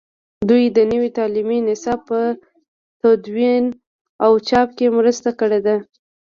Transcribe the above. دوی د نوي تعلیمي نصاب په تدوین او چاپ کې مرسته کړې ده.